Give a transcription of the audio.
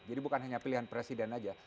jadi bukan hanya pilihan presiden aja